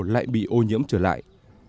lại bị ô nhiễm trở lại